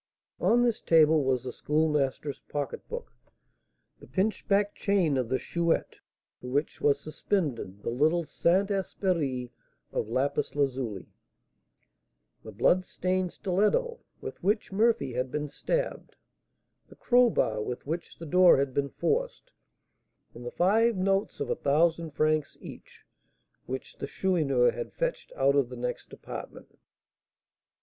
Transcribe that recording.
On this table was the Schoolmaster's pocketbook, the pinchbeck chain of the Chouette (to which was suspended the little Saint Esprit of lapis lazuli), the blood stained stiletto with which Murphy had been stabbed, the crowbar with which the door had been forced, and the five notes of a thousand francs each, which the Chourineur had fetched out of the next apartment.